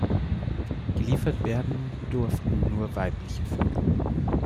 Geliefert werden durften nur weibliche Vögel.